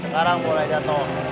sekarang boleh jatoh